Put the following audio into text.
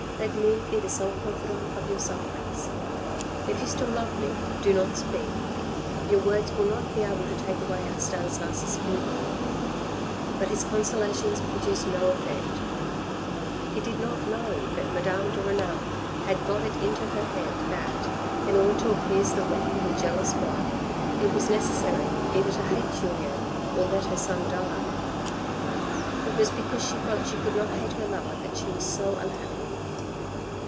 Let me be the sole confidant of your sufferings. If you still love me, do not speak. Your words will not be able to take away our Stanislas' fever." But his consolations produced no effect. He did not know that n8 THE RED AND THE BLACK Madame de Renal had got it into her head that, in order to appease the wrath of a jealous God, it was necessary either to hate Julien, or let her son die. It was because she felt she could not hate her lover that she was so unhappy.